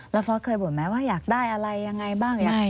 แล้วฟ้าเคยบอกแม่ว่าอยากได้อะไรอย่างไรบ้าง